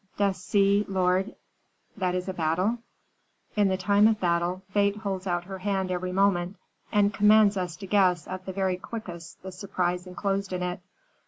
Dost see, lord, that is a battle? In time of battle Fate holds out her hand every moment, and commands us to guess at the very quickest the surprise inclosed in it.